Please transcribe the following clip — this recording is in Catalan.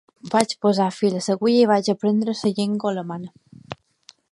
Vaig posar fil a l'agulla i vaig aprendre la llengua alemanya.